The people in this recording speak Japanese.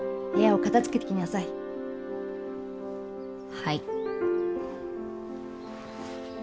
はい。